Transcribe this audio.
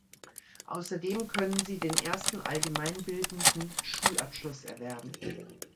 Außerdem können sie den Ersten Allgemeinbildenden Schulabschluss erwerben.